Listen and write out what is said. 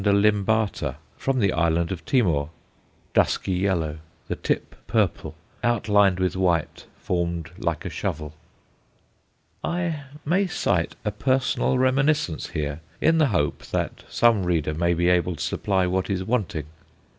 limbata_ from the island of Timor dusky yellow, the tip purple, outlined with white, formed like a shovel. I may cite a personal reminiscence here, in the hope that some reader may be able to supply what is wanting.